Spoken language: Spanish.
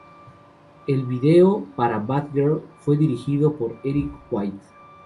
El video para Bad Girl fue dirigido por Erick White.